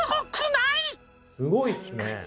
すごいっすね。